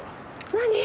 何？